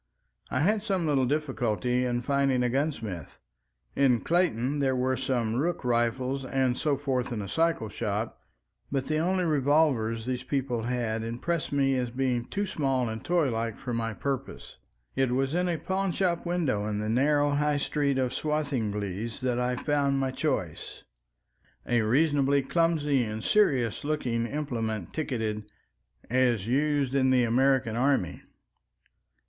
I had some little difficulty in finding a gunsmith. In Clayton there were some rook rifles and so forth in a cycle shop, but the only revolvers these people had impressed me as being too small and toylike for my purpose. It was in a pawnshop window in the narrow High Street of Swathinglea that I found my choice, a reasonably clumsy and serious looking implement ticketed "As used in the American army."